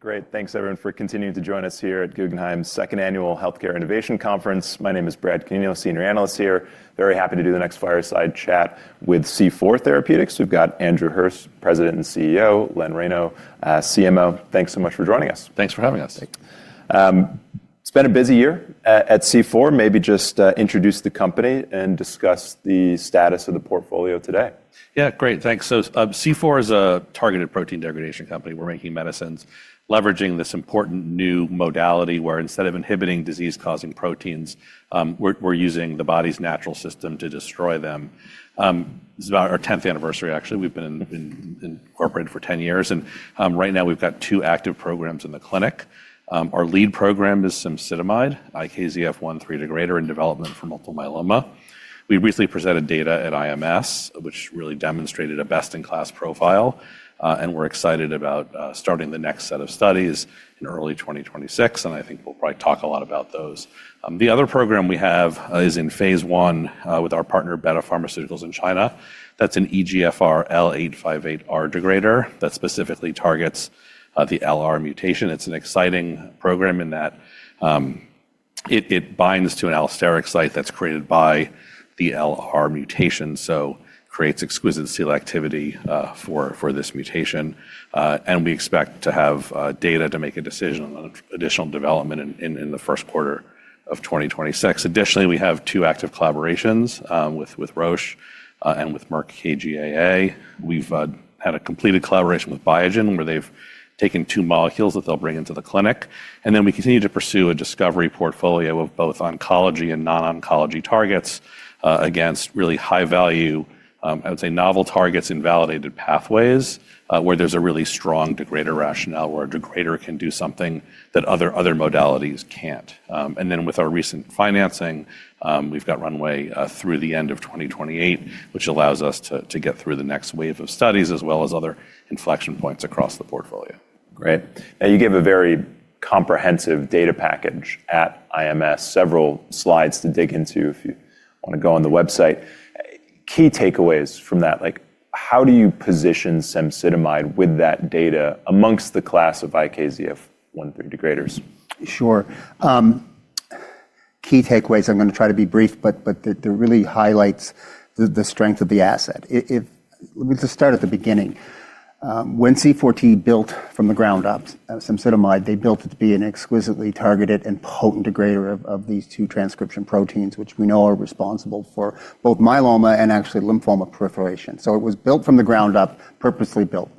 Great. Thanks, everyone, for continuing to join us here at Guggenheim second annual healthcare innovation conference. My name is Brad Canino, Senior Analyst here. Very happy to do the next fireside chat with C4 Therapeutics. We've got Andrew Hirsch, President and CEO, Len Reyno, CMO. Thanks so much for joining us. Thanks for having us. It's been a busy year at C4. Maybe just introduce the company and discuss the status of the portfolio today. Yeah, great. Thanks. C4 is a targeted protein degradation company. We're making medicines leveraging this important new modality where instead of inhibiting disease-causing proteins, we're using the body's natural system to destroy them. This is about our 10th anniversary, actually. We've been incorporated for 10 years. Right now, we've got two active programs in the clinic. Our lead program is cemsidomide, IKZF1/3 degrader, in development for multiple myeloma. We recently presented data at IMS, which really demonstrated a best-in-class profile. We're excited about starting the next set of studies in early 2026. I think we'll probably talk a lot about those. The other program we have is in phase with our partner, Betta Pharmaceuticals in China. That's an EGFR L858R degrader that specifically targets the LR mutation. It's an exciting program in that it binds to an allosteric site that's created by the LR mutation, so it creates exquisite selectivity for this mutation. We expect to have data to make a decision on additional development in the first quarter of 2026. Additionally, we have two active collaborations with Roche and with Merck KGaA. We've had a completed collaboration with Biogen, where they've taken two molecules that they'll bring into the clinic. We continue to pursue a discovery portfolio of both oncology and non-oncology targets against really high-value, I would say, novel targets in validated pathways where there's a really strong degrader rationale where a degrader can do something that other modalities can't. With our recent financing, we've got runway through the end of 2028, which allows us to get through the next wave of studies as well as other inflection points across the portfolio. Great. Now, you gave a very comprehensive data package at IMS, several slides to dig into if you want to go on the website. Key takeaways from that, like how do you position cemsidomide with that data amongst the class of IKZF1/3 degraders? Sure. Key takeaways, I'm going to try to be brief, but that really highlights the strength of the asset. Let me just start at the beginning. When C4T built from the ground up, cemsidomide, they built it to be an exquisitely targeted and potent degrader of these two transcription proteins, which we know are responsible for both myeloma and actually lymphoma proliferation. It was built from the ground up, purposely built.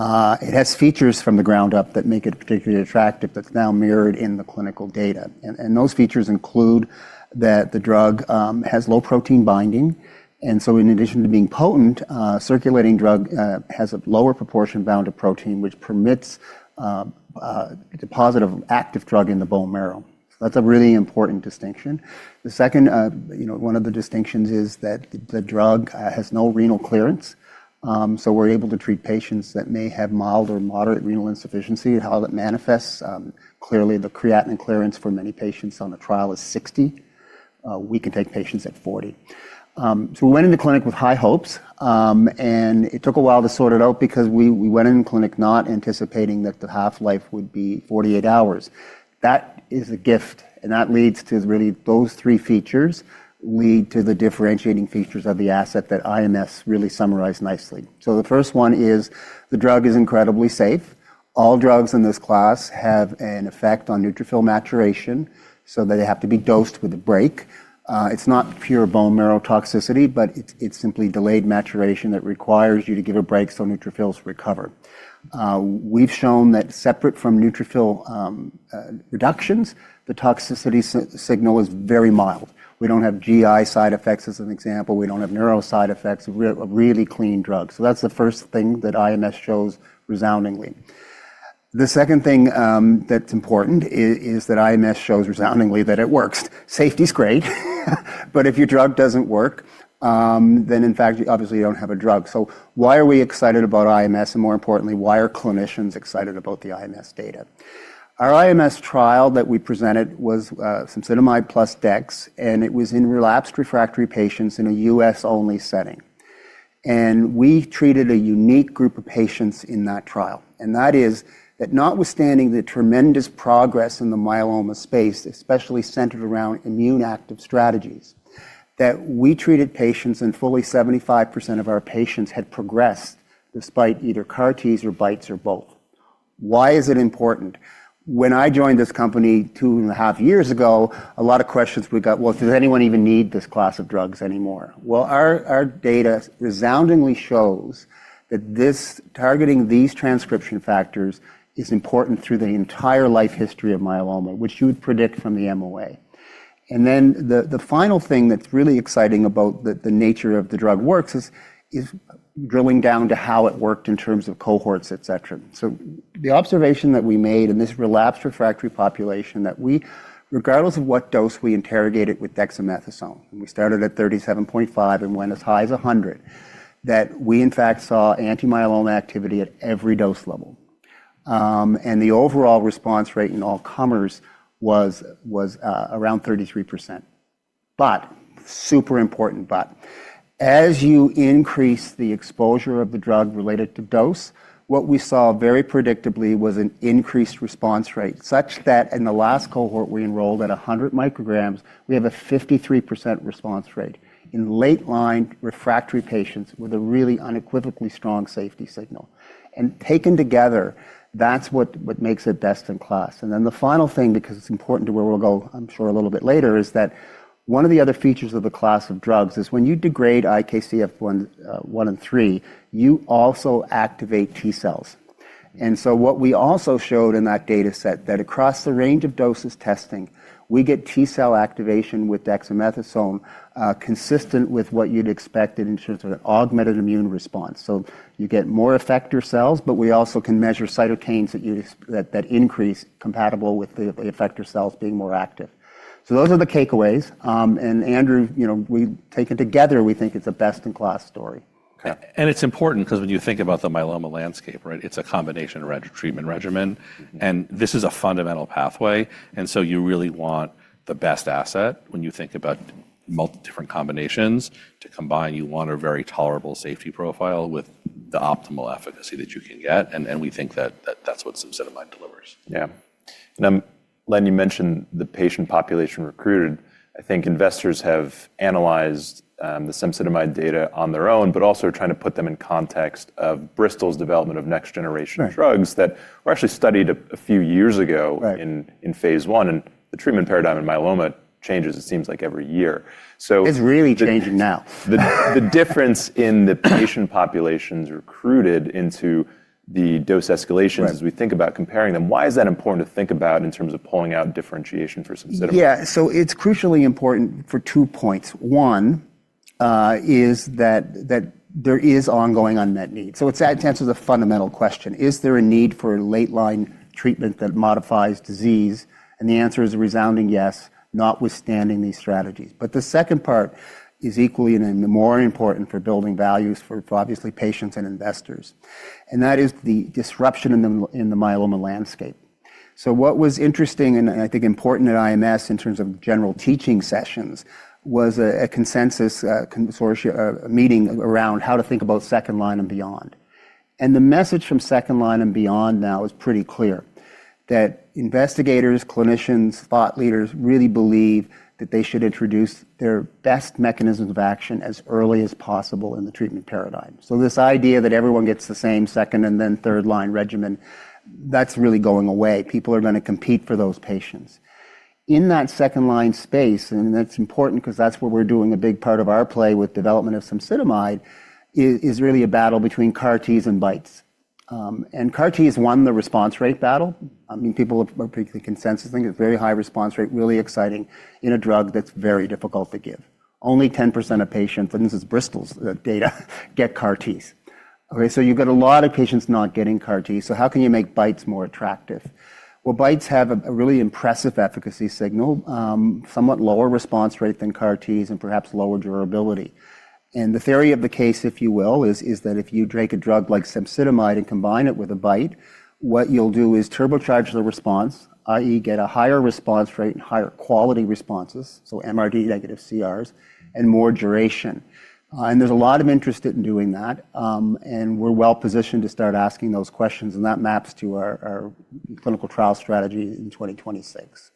It has features from the ground up that make it particularly attractive that's now mirrored in the clinical data. Those features include that the drug has low protein binding. In addition to being potent, circulating drug has a lower proportion bound to protein, which permits a deposit of active drug in the bone marrow. That's a really important distinction. The second, one of the distinctions is that the drug has no renal clearance. We're able to treat patients that may have mild or moderate renal insufficiency. How that manifests, clearly the creatinine clearance for many patients on the trial is 60. We can take patients at 40. We went into clinic with high hopes. It took a while to sort it out because we went into clinic not anticipating that the half-life would be 48 hours. That is a gift. That leads to really those three features that IMS really summarized nicely. The first one is the drug is incredibly safe. All drugs in this class have an effect on neutrophil maturation, so they have to be dosed with a break. It's not pure bone marrow toxicity, but it's simply delayed maturation that requires you to give a break so neutrophils recover. We've shown that separate from neutrophil reductions, the toxicity signal is very mild. We don't have GI side effects as an example. We don't have neuro side effects. We're a really clean drug. That's the first thing that IMS shows resoundingly. The second thing that's important is that IMS shows resoundingly that it works. Safety's great. If your drug doesn't work, then in fact, obviously, you don't have a drug. Why are we excited about IMS? More importantly, why are clinicians excited about the IMS data? Our IMS trial that we presented was cemsidomide + Dex. It was in relapsed refractory patients in a U.S.-only setting. We treated a unique group of patients in that trial. That is that notwithstanding the tremendous progress in the myeloma space, especially centered around immune active strategies, we treated patients and fully 75% of our patients had progressed despite either CAR-Ts or BiTEs or both. Why is it important? When I joined this company two and a half years ago, a lot of questions we got, does anyone even need this class of drugs anymore? Our data resoundingly shows that targeting these transcription factors is important through the entire life history of myeloma, which you would predict from the MOA. The final thing that's really exciting about the nature of the drug works is drilling down to how it worked in terms of cohorts, et cetera. The observation that we made in this relapsed refractory population, that we, regardless of what dose we interrogated with dexamethasone, we started at 37.5 and went as high as 100, that we in fact saw anti-myeloma activity at every dose level. The overall response rate in all comers was around 33%. Super important but, as you increase the exposure of the drug related to dose, what we saw very predictably was an increased response rate such that in the last cohort we enrolled at 100 mg, we have a 53% response rate in late-line refractory patients with a really unequivocally strong safety signal. Taken together, that is what makes it best in class. The final thing, because it's important to where we'll go, I'm sure, a little bit later, is that one of the other features of the class of drugs is when you degrade IKZF1/3, you also activate T cells. What we also showed in that data set is that across the range of doses tested, we get T cell activation with dexamethasone consistent with what you'd expect in terms of an augmented immune response. You get more effector cells, but we also can measure cytokines that increase, compatible with the effector cells being more active. Those are the takeaways. Andrew, taken together, we think it's a best-in-class story. It is important because when you think about the myeloma landscape, right, it is a combination treatment regimen. This is a fundamental pathway. You really want the best asset when you think about different combinations to combine. You want a very tolerable safety profile with the optimal efficacy that you can get. We think that is what cemsidomide delivers. Yeah. Len, you mentioned the patient population recruited. I think investors have analyzed the cemsidomide data on their own, but also trying to put them in context of Bristol's development of next-generation drugs that were actually studied a few years ago in phase I. The treatment paradigm in myeloma changes, it seems like, every year. It's really changing now. The difference in the patient populations recruited into the dose escalations as we think about comparing them, why is that important to think about in terms of pulling out differentiation for cemsidomide? Yeah. So it's crucially important for two points. One is that there is ongoing unmet need. So it answers a fundamental question. Is there a need for a late-line treatment that modifies disease? And the answer is a resounding yes, notwithstanding these strategies. The second part is equally and even more important for building values for obviously patients and investors. That is the disruption in the myeloma landscape. What was interesting and I think important at IMS in terms of general teaching sessions was a consensus meeting around how to think about second line and beyond. The message from second line and beyond now is pretty clear that investigators, clinicians, thought leaders really believe that they should introduce their best mechanisms of action as early as possible in the treatment paradigm. This idea that everyone gets the same second and then third-line regimen, that's really going away. People are going to compete for those patients. In that second-line space, and that's important because that's where we're doing a big part of our play with development of cemsidomide, is really a battle between CAR-Ts and BiTEs. CAR-Ts won the response rate battle. I mean, people are pretty consensus thinking it's a very high response rate, really exciting in a drug that's very difficult to give. Only 10% of patients, and this is Bristol's data, get CAR-Ts. You have a lot of patients not getting CAR-Ts. How can you make BiTEs more attractive? BiTEs have a really impressive efficacy signal, somewhat lower response rate than CAR-Ts, and perhaps lower durability. The theory of the case, if you will, is that if you take a drug like cemsidomide and combine it with a BiTE, what you'll do is turbocharge the response, i.e., get a higher response rate and higher quality responses, so MRD-negative CRs, and more duration. There is a lot of interest in doing that. We are well positioned to start asking those questions. That maps to our clinical trial strategy in 2026.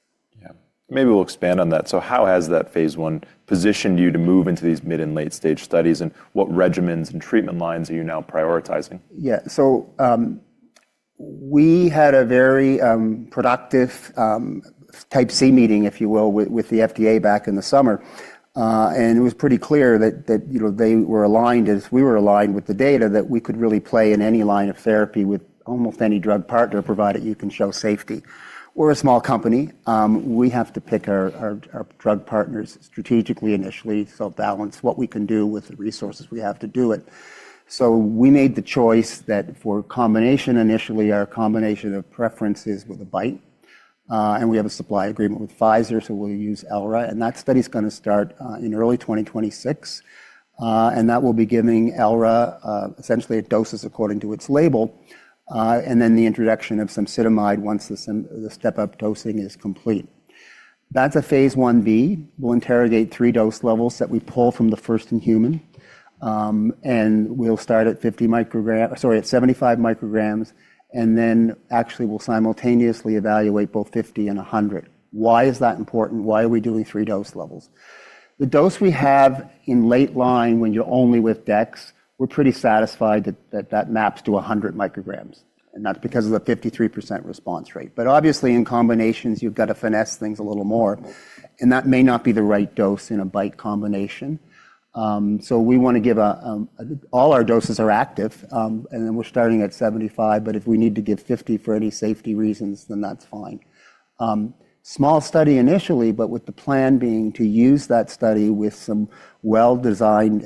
Yeah. Maybe we'll expand on that. How has that phase I positioned you to move into these mid and late-stage studies? What regimens and treatment lines are you now prioritizing? Yeah. We had a very productive Type C meeting, if you will, with the FDA back in the summer. It was pretty clear that they were aligned, as we were aligned with the data, that we could really play in any line of therapy with almost any drug partner provided you can show safety. We're a small company. We have to pick our drug partners strategically initially, so balance what we can do with the resources we have to do it. We made the choice that for combination initially, our combination of preference is with a BiTE. We have a supply agreement with Pfizer, so we'll use ELRA. That study's going to start in early 2026. That will be giving ELRA essentially doses according to its label, and then the introduction of cemsidomide once the step-up dosing is complete. That's a phase I-B. We'll interrogate three dose levels that we pull from the first in human. We'll start at 75 mg, and then actually, we'll simultaneously evaluate both 50 and 100. Why is that important? Why are we doing three dose levels? The dose we have in late line when you're only with Dex, we're pretty satisfied that that maps to 100 mg. That's because of the 53% response rate. Obviously, in combinations, you've got to finesse things a little more. That may not be the right dose in a BiTE combination. We want to give all our doses are active. We're starting at 75, but if we need to give 50 for any safety reasons, then that's fine. Small study initially, but with the plan being to use that study with some well-designed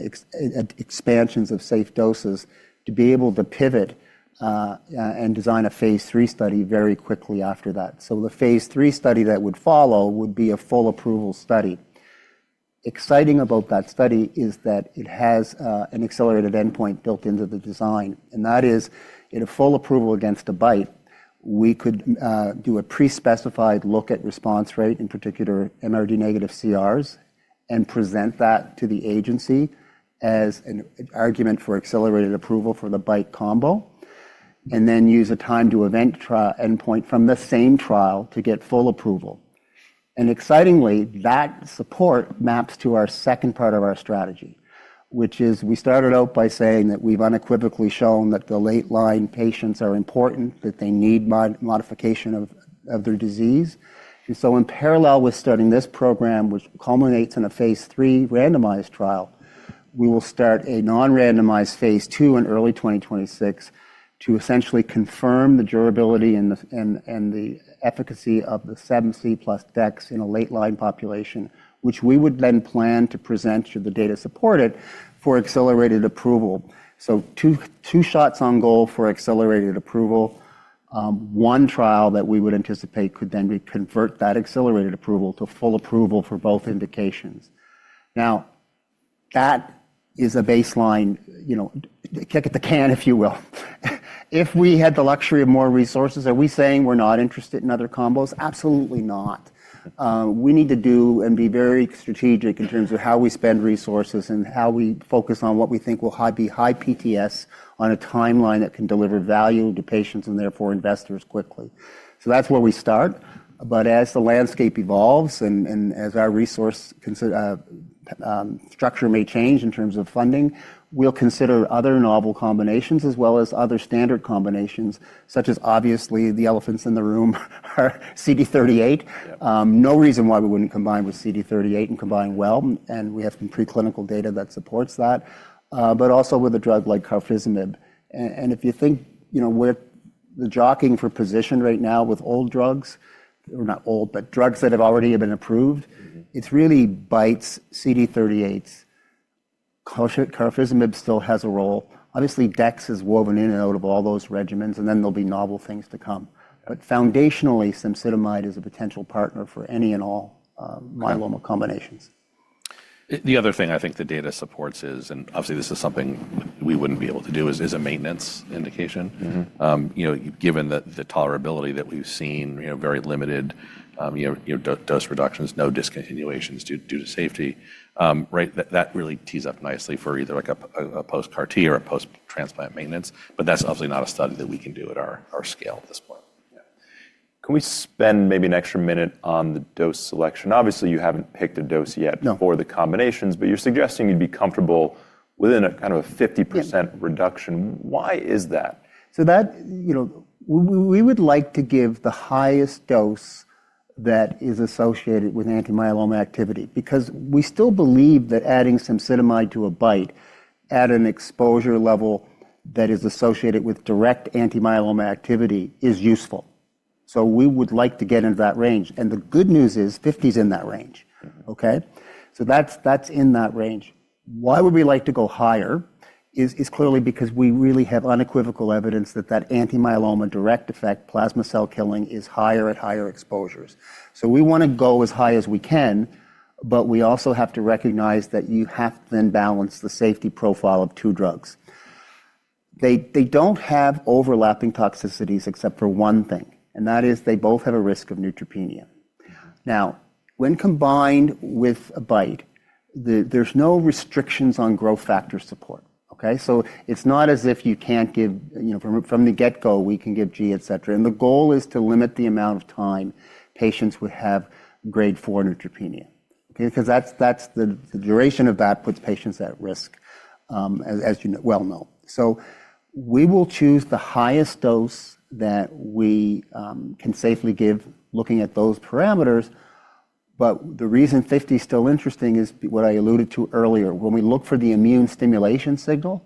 expansions of safe doses to be able to pivot and design a phase III study very quickly after that. The phase III study that would follow would be a full approval study. Exciting about that study is that it has an accelerated endpoint built into the design. That is, in a full approval against a BiTE, we could do a pre-specified look at response rate, in particular MRD-negative CRs, and present that to the agency as an argument for accelerated approval for the BiTE combo, and then use a time-to-event endpoint from the same trial to get full approval. Excitingly, that support maps to the second part of our strategy, which is we started out by saying that we've unequivocally shown that the late line patients are important, that they need modification of their disease. In parallel with starting this program, which culminates in a phase III randomized trial, we will start a non-randomized phase II in early 2026 to essentially confirm the durability and the efficacy of the [cemsi] + Dex in a late line population, which we would then plan to present to the data supported for accelerated approval. Two shots on goal for accelerated approval. One trial that we would anticipate could then convert that accelerated approval to full approval for both indications. That is a baseline, kick at the can, if you will. If we had the luxury of more resources, are we saying we're not interested in other combos? Absolutely not. We need to do and be very strategic in terms of how we spend resources and how we focus on what we think will be high PTS on a timeline that can deliver value to patients and therefore investors quickly. That is where we start. As the landscape evolves and as our resource structure may change in terms of funding, we will consider other novel combinations as well as other standard combinations, such as obviously the elephant in the room, CD38. No reason why we would not combine with CD38 and combine well. We have some preclinical data that supports that, but also with a drug like carfilzomib. If you think we are jockeying for position right now with old drugs, or not old, but drugs that have already been approved, it is really BiTEs, CD38s. Carfilzomib still has a role. Obviously, Dex is woven in and out of all those regimens. There'll be novel things to come. Foundationally, cemsidomide is a potential partner for any and all myeloma combinations. The other thing I think the data supports is, and obviously this is something we would not be able to do, is a maintenance indication. Given the tolerability that we have seen, very limited dose reductions, no discontinuations due to safety, that really tees up nicely for either a post-CAR-T or a post-transplant maintenance. That is obviously not a study that we can do at our scale at this point. Can we spend maybe an extra minute on the dose selection? Obviously, you haven't picked a dose yet for the combinations, but you're suggesting you'd be comfortable within a kind of a 50% reduction. Why is that? We would like to give the highest dose that is associated with anti-myeloma activity because we still believe that adding cemsidomide to a BiTE at an exposure level that is associated with direct anti-myeloma activity is useful. We would like to get into that range. The good news is 50 is in that range. That is in that range. Why we would like to go higher is clearly because we really have unequivocal evidence that that anti-myeloma direct effect, plasma cell killing, is higher at higher exposures. We want to go as high as we can, but we also have to recognize that you have to then balance the safety profile of two drugs. They do not have overlapping toxicities except for one thing. That is they both have a risk of neutropenia. Now, when combined with a BiTE, there are no restrictions on growth factor support. It is not as if you cannot give from the get-go, we can give G-CSF. The goal is to limit the amount of time patients would have grade 4 neutropenia because the duration of that puts patients at risk, as you well know. We will choose the highest dose that we can safely give looking at those parameters. The reason 50 is still interesting is what I alluded to earlier. When we look for the immune stimulation signal,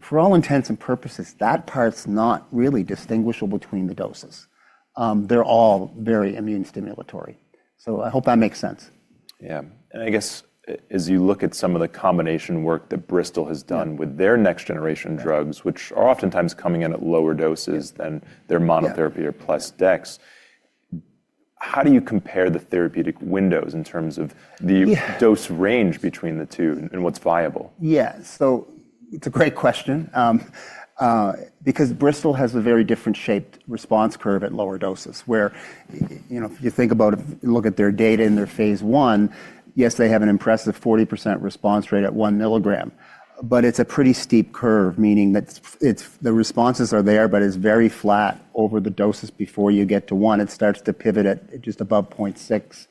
for all intents and purposes, that part is not really distinguishable between the doses. They are all very immune stimulatory. I hope that makes sense. Yeah. I guess as you look at some of the combination work that Bristol has done with their next-generation drugs, which are oftentimes coming in at lower doses than their monotherapy or plus Dex, how do you compare the therapeutic windows in terms of the dose range between the two and what's viable? Yeah. So it's a great question because Bristol has a very different shaped response curve at lower doses. Where if you think about it, look at their data in their phase I, yes, they have an impressive 40% response rate at 1 mg. But it's a pretty steep curve, meaning that the responses are there, but it's very flat over the doses. Before you get to one, it starts to pivot at just above 0.6.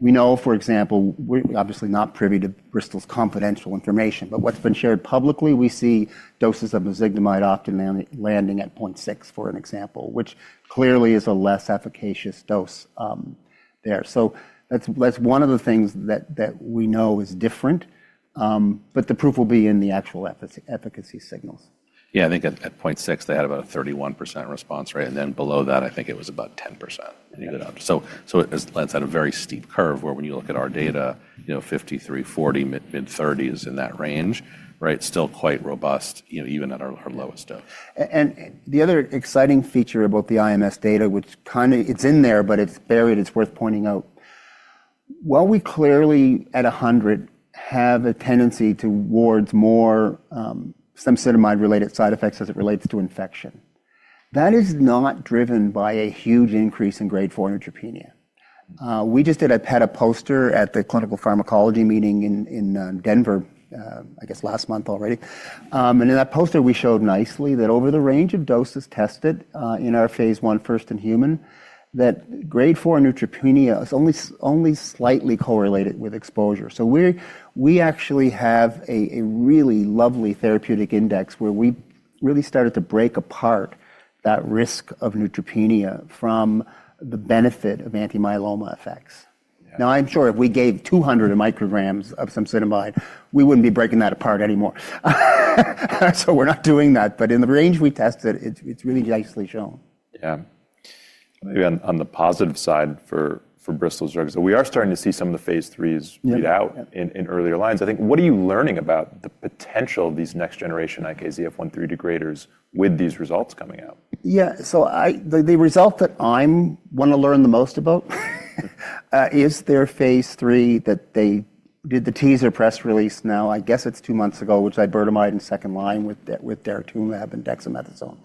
We know, for example, we're obviously not privy to Bristol's confidential information. But what's been shared publicly, we see doses of mezigdomide often landing at 0.6, for an example, which clearly is a less efficacious dose there. That's one of the things that we know is different. The proof will be in the actual efficacy signals. Yeah. I think at 0.6, they had about a 31% response rate. And then below that, I think it was about 10%. That is a very steep curve where when you look at our data, 53, 40, mid 30s in that range, still quite robust even at our lowest dose. The other exciting feature about the IMS data, which kind of it's in there, but it's buried. It's worth pointing out. While we clearly at 100 have a tendency towards more cemsidomide-related side effects as it relates to infection, that is not driven by a huge increase in grade 4 neutropenia. We just did a poster at the clinical pharmacology meeting in Denver, I guess last month already. In that poster, we showed nicely that over the range of doses tested in our phase I first in human, that grade 4 neutropenia is only slightly correlated with exposure. We actually have a really lovely therapeutic index where we really started to break apart that risk of neutropenia from the benefit of anti-myeloma effects. I'm sure if we gave 200 mg of cemsidomide, we wouldn't be breaking that apart anymore. We're not doing that. In the range we tested, it's really nicely shown. Yeah. Maybe on the positive side for Bristol's drugs, we are starting to see some of the phase IIIs beat out in earlier lines. I think what are you learning about the potential of these next-generation IKZF1/3 degraders with these results coming out? Yeah. The result that I want to learn the most about is their phase III that they did the teaser press release on, I guess it's two months ago, which is iberdomide in second line with daratumumab and dexamethasone.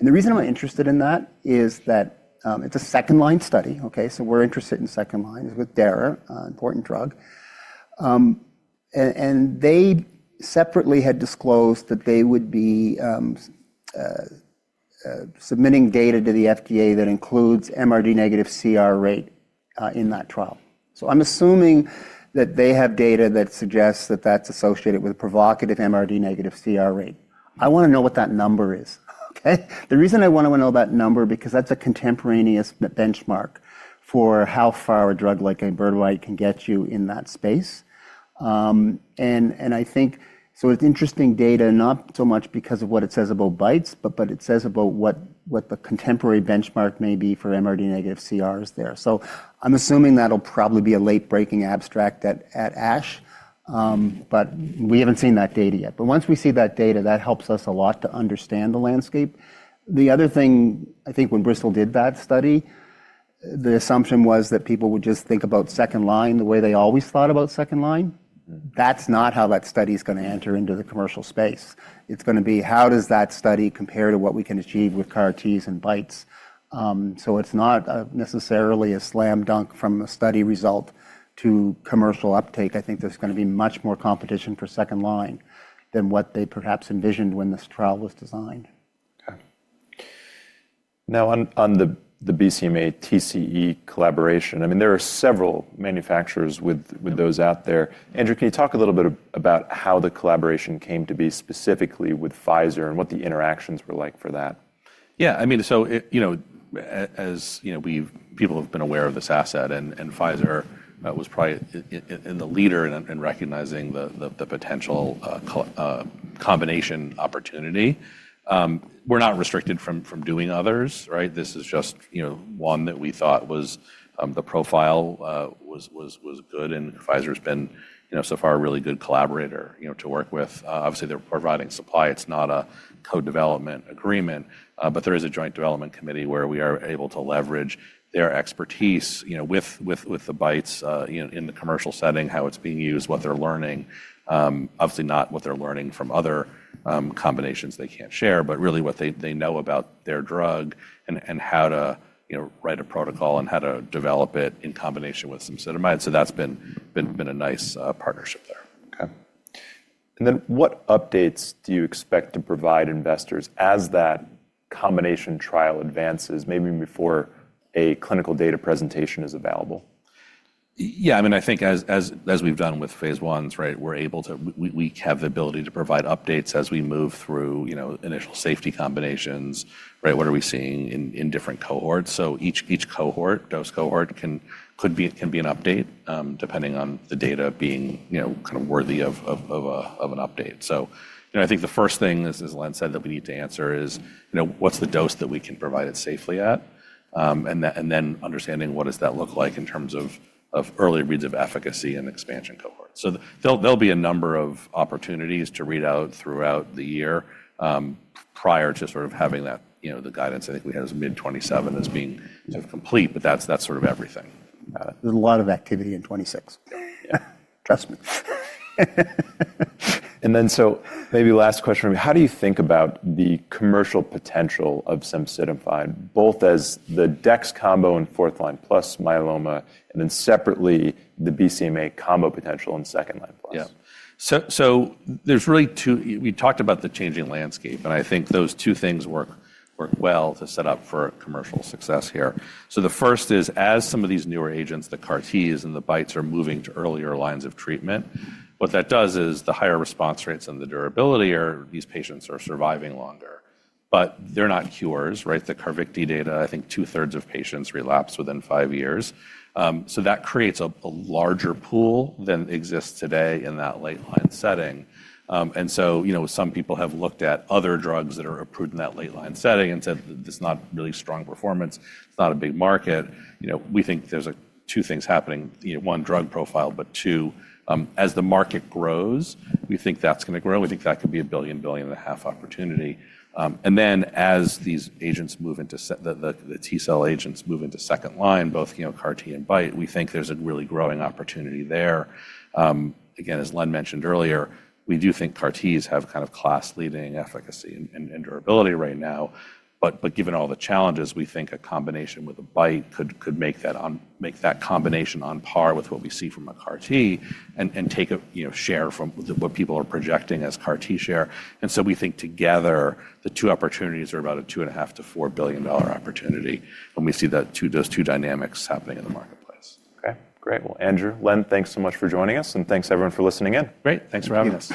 The reason I'm interested in that is that it's a second line study. We're interested in second line with DARA, an important drug. They separately had disclosed that they would be submitting data to the FDA that includes MRD-negative CR rate in that trial. I'm assuming that they have data that suggests that's associated with a provocative MRD-negative CR rate. I want to know what that number is. The reason I want to know that number is because that's a contemporaneous benchmark for how far a drug like iberdomide can get you in that space. I think it is interesting data, not so much because of what it says about BiTEs, but what it says about what the contemporary benchmark may be for MRD-negative CRs there. I am assuming that will probably be a late-breaking abstract at ASH, but we have not seen that data yet. Once we see that data, that helps us a lot to understand the landscape. The other thing, I think when Bristol did that study, the assumption was that people would just think about second line the way they always thought about second line. That is not how that study is going to enter into the commercial space. It is going to be how does that study compare to what we can achieve with CAR-Ts and BiTEs. It is not necessarily a slam dunk from a study result to commercial uptake. I think there's going to be much more competition for second line than what they perhaps envisioned when this trial was designed. Now, on the BCMA TCE collaboration, I mean, there are several manufacturers with those out there. Andrew, can you talk a little bit about how the collaboration came to be specifically with Pfizer and what the interactions were like for that? Yeah. I mean, as people have been aware of this asset, and Pfizer was probably the leader in recognizing the potential combination opportunity. We're not restricted from doing others. This is just one that we thought the profile was good. Pfizer has been so far a really good collaborator to work with. Obviously, they're providing supply. It's not a co-development agreement, but there is a joint development committee where we are able to leverage their expertise with the BiTEs in the commercial setting, how it's being used, what they're learning, obviously not what they're learning from other combinations they can't share, but really what they know about their drug and how to write a protocol and how to develop it in combination with cemsidomide. That's been a nice partnership there. What updates do you expect to provide investors as that combination trial advances, maybe before a clinical data presentation is available? Yeah. I mean, I think as we've done with phase Is, we're able to, we have the ability to provide updates as we move through initial safety combinations. What are we seeing in different cohorts? Each cohort, dose cohort, can be an update depending on the data being kind of worthy of an update. I think the first thing, as Len said, that we need to answer is what's the dose that we can provide it safely at? Then understanding what does that look like in terms of early reads of efficacy and expansion cohorts. There'll be a number of opportunities to read out throughout the year prior to sort of having the guidance I think we had as mid 2027 as being sort of complete, but that's sort of everything. There's a lot of activity in 2026. Trust me. Maybe last question for me, how do you think about the commercial potential of cemsidomide, both as the Dex combo in fourth line plus myeloma and then separately the BCMA combo potential in second line? There's really two. We talked about the changing landscape, and I think those two things work well to set up for commercial success here. The first is as some of these newer agents, the CAR-Ts and the BiTEs, are moving to earlier lines of treatment, what that does is the higher response rates and the durability are these patients are surviving longer, but they're not cures. The CARVYKTI data, I think 2/3 of patients relapse within five years. That creates a larger pool than exists today in that late line setting. Some people have looked at other drugs that are approved in that late line setting and said this is not really strong performance. It's not a big market. We think there's two things happening. One, drug profile, but two, as the market grows, we think that's going to grow. We think that could be a $1 billion-$1.5 billion opportunity. Then as these agents move into the T cell agents move into second line, both CAR-T and BiTE, we think there is a really growing opportunity there. Again, as Len mentioned earlier, we do think CAR-Ts have kind of class-leading efficacy and durability right now. Given all the challenges, we think a combination with a BiTE could make that combination on par with what we see from a CAR-T and take a share from what people are projecting as CAR-T share. We think together, the two opportunities are about a $2.5 billion-$4 billion opportunity when we see those two dynamics happening in the marketplace. Okay. Great. Andrew, Len, thanks so much for joining us. Thanks everyone for listening in. Great. Thanks for having us.